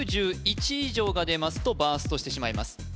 ９１以上が出ますとバーストしてしまいます